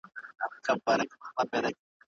راغلي بدلونونه باید نوي او ګټور وي.